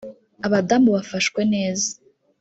abadamu bafashwe neza